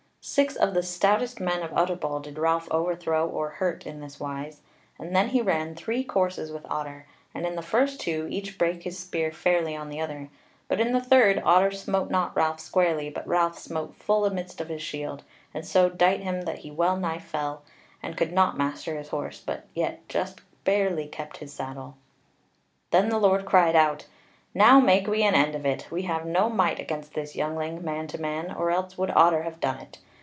Six of the stoutest men of Utterbol did Ralph overthrow or hurt in this wise; and then he ran three courses with Otter, and in the first two each brake his spear fairly on the other; but in the third Otter smote not Ralph squarely, but Ralph smote full amidst of his shield, and so dight him that he well nigh fell, and could not master his horse, but yet just barely kept his saddle. Then the Lord cried out: "Now make we an end of it! We have no might against this youngling, man to man: or else would Otter have done it.